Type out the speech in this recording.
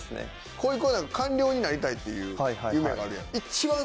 こいくは官僚になりたいっていう夢があるやん。